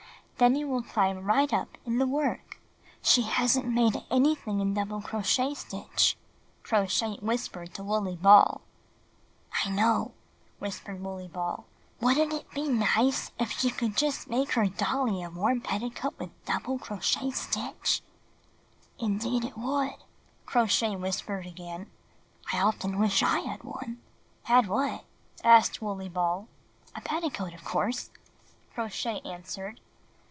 Then you will climb right up in the work." "She hasn't made anything in double crochet stitch," Crow Shay whispered to Wooley Ball. "I know," whispered Wooley Ball. "Wouldn't it be nice if she could make her dolly a warm petticoat with double crochet stitch?" Crow Shay wfei^jpered. 86 Knitting and Crocheting Book ''Indeed it would," Crow Shay whispered again. "I often wish I had one." ^^Had what?" asked Wooley BaU. ''A petticoat, of course/' Crow Shay answered.